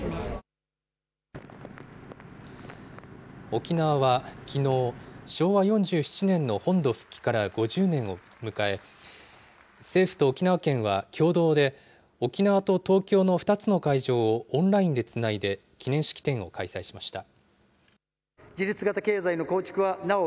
沖縄は、きのう、昭和４７年の本土復帰から５０年を迎え、政府と沖縄県は共同で、沖縄と東京の２つの会場をオンラインでつないで、記念式典を開催しました。